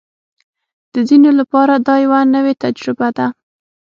د ځینو لپاره دا یوه نوې تجربه ده